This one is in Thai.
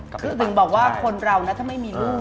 คือถึงบอกว่าคนเรานะถ้าไม่มีลูก